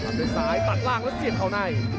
ด้วยซ้ายตัดล่างแล้วเสียบเข้าใน